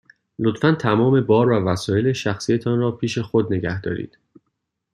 لطفاً تمام بار و وسایل شخصی تان را پیش خود نگه دارید.